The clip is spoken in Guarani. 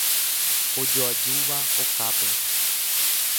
Ojoajúva okápe.